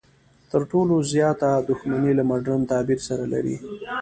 تر ټولو زیاته دښمني له مډرن تعبیر سره لري.